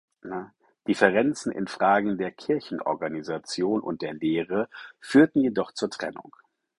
Differenzen in Fragen der Kirchenorganisation und der Lehre führten jedoch zur Trennung.